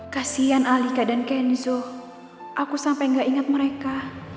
kasian alika dan kenzo aku sampai gak ingat mereka